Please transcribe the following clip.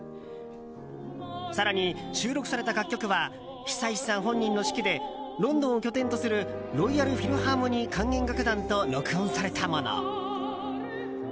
更に、収録された楽曲は久石さん本人の指揮でロンドンを拠点とするロイヤル・フィルハーモニー管弦楽団と録音されたもの。